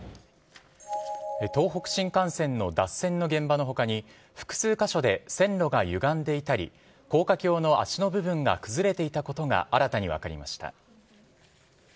東北新幹線の脱線の現場の他に複数箇所で線路がゆがんでいたり高架橋の脚の部分が崩れていたことが新たに分かりました。